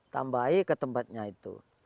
tambahin ke tempatnya itu